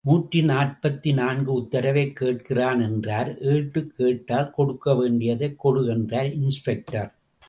நூற்றி நாற்பத்து நான்கு உத்தரவைக் கேட்கிறான் என்றார் ஏட்டு கேட்டால் கொடுக்க வேண்டியதைக் கொடு என்றார் இன்ஸ்பெக்டர்.